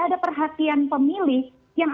ada perhatian pemilih yang